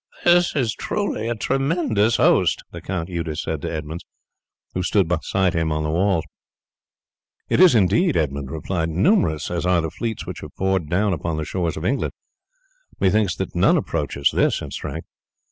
"This is truly a tremendous host!" the Count Eudes said to Edmund, who stood beside him on the walls. "It is indeed," Edmund replied. "Numerous as are the fleets which have poured down upon the shores of England, methinks that none approached this in strength.